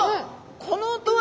この音は！